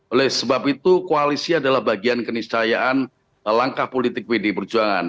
oleh sebab itu koalisi adalah bagian keniscayaan langkah politik pdi perjuangan